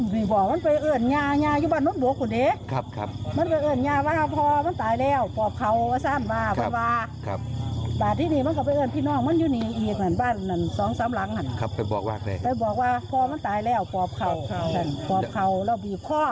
บีบคอพ่อแล้วบีบคอ